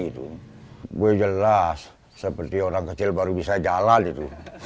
saya jelas seperti orang kecil baru bisa jalan